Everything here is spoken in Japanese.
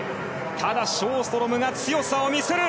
ただ、ショーストロムが強さを見せる！